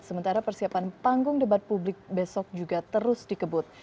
sementara persiapan panggung debat publik besok juga terus dikebut